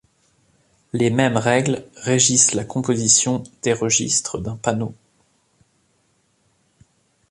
Les mêmes règles régissent la composition des registres d’un panneau.